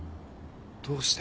どうして？